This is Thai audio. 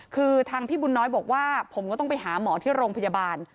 คือทางพี่บุญน้อยบอกว่าผมก็ต้องไปหาหมอที่โรงพยาบาล